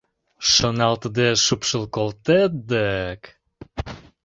Шоналтыде шупшыл колтет дык...